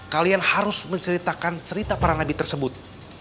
kalian harus menceritakan cerita para nabi tersebut